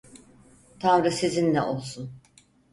Tanrı sizinle olsun.